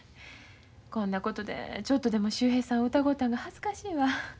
こんなことでちょっとでも秀平さんを疑うたんが恥ずかしいわ。